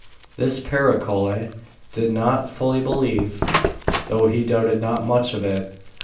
This Picrochole did not fully believe, though he doubted not much of it.